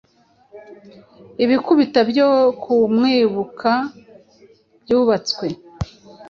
ibikuta byo kumwibuka byubatswe